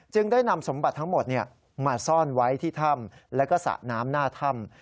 ได้นำสมบัติทั้งหมดมาซ่อนไว้ที่ถ้ำแล้วก็สระน้ำหน้าถ้ำ